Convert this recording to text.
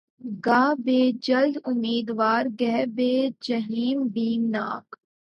گاہ بہ خلد امیدوار‘ گہہ بہ جحیم بیم ناک